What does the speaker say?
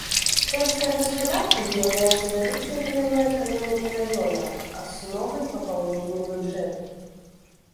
Сельская гаспадарка з'яўляецца вядучай галіной эканомікі раёна, асновай папаўнення бюджэту.